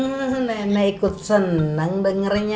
hmm nenek ikut senang dengernya